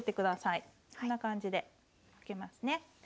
こんな感じでかけますね。